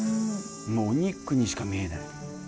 もうお肉にしか見えない。